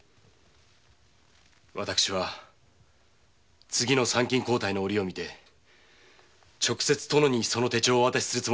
私は次の参勤交代の折をみて直接殿にその手帳をお渡しするつもりでした。